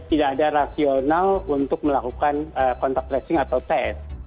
tidak ada rasional untuk melakukan kontak tracing atau tes